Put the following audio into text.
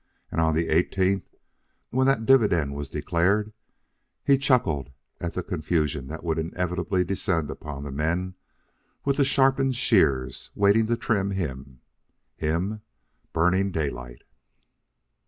And on the eighteenth, when that dividend was declared, he chuckled at the confusion that would inevitably descend upon the men with the sharpened shears waiting to trim him him, Burning Daylight.